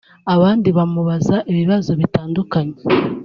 abandi bamubaza ibibazo bitandukanye